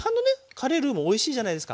カレールーもおいしいじゃないですか。